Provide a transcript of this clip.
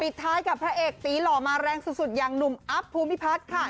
ท้ายกับพระเอกตีหล่อมาแรงสุดอย่างหนุ่มอัพภูมิพัฒน์ค่ะ